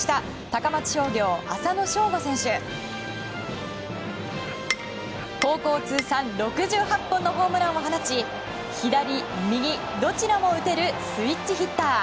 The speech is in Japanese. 高校通算６８本のホームランを放ち左、右、どちらも打てるスイッチヒッター。